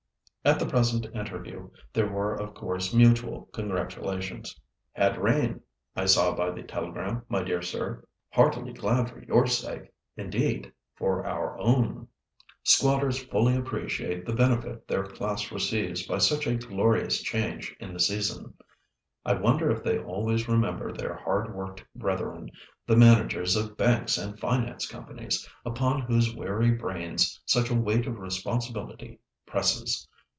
At the present interview there were of course mutual congratulations. "Had rain, I saw by the telegram, my dear sir. Heartily glad for your sake—indeed, for our own. Squatters fully appreciate the benefit their class receives by such a glorious change in the seasons. I wonder if they always remember their hard worked brethren, the managers of banks and finance companies, upon whose weary brains such a weight of responsibility presses.